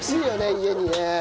家にね。